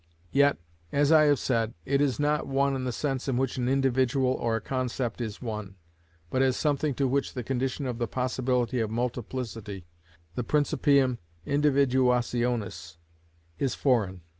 Yet, as I have said, it is not one in the sense in which an individual or a concept is one, but as something to which the condition of the possibility of multiplicity, the principium individuationis, is foreign.